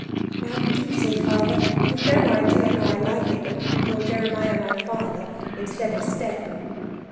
"Now, do say father. You've no idea how I like it when people call Jeremiah my father, instead of step."